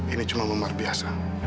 ini cuma memar biasa